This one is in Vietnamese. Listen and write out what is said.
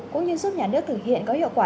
cũng như giúp nhà nước thực hiện có hiệu quả